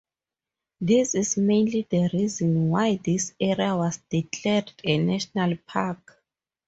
This is mainly the reason why this area was declared a National park.